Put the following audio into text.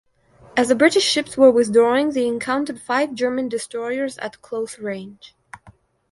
As the British ships were withdrawing, they encountered five German destroyers at close range.